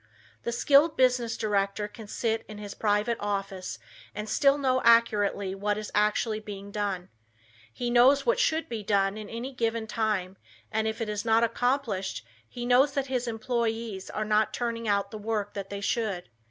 The skilled business director can sit in his private office and still know accurately what is actually being done. He knows what should be done in any given time and if it is not accomplished he knows that his employees are not turning out the work that they should.